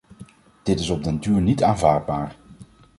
Dit is op den duur niet aanvaardbaar.